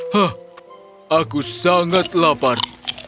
hah aku sangat lapar